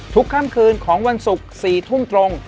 ค่ำคืนของวันศุกร์๔ทุ่มตรง